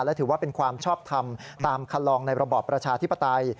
และถือว่าเป็นความชอบทำตามคันลองในระบอบประชาธิปไตย